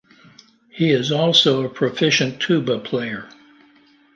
He also is a proficient tuba player.